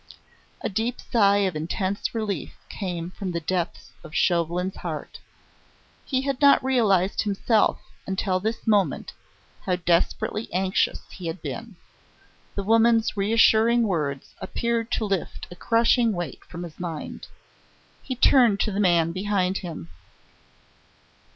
A deep sigh of intense relief came from the depths of Chauvelin's heart. He had not realised himself until this moment how desperately anxious he had been. The woman's reassuring words appeared to lift a crushing weight from his mind. He turned to the man behind him.